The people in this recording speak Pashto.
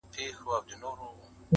• افسوس كوتر نه دى چي څوك يې پـټ كړي.